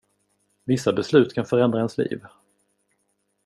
Vissa beslut kan förändra ens liv.